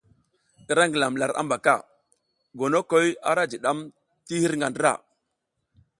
I ra ngilam lar habaka, gonokoy ara jidam tir hirga ndra.